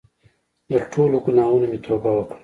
له ټولو ګناهونو مې توبه وکړه.